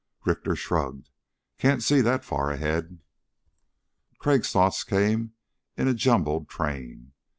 Richter shrugged. "Can't see that far ahead." Crag's thoughts came in a jumbled train.